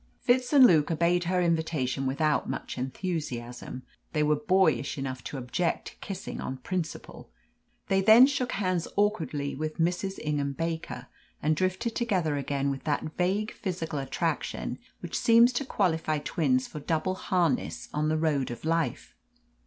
Fitz and Luke obeyed her invitation without much enthusiasm. They were boyish enough to object to kissing on principle. They then shook hands awkwardly with Mrs. Ingham Baker, and drifted together again with that vague physical attraction which seems to qualify twins for double harness on the road of life.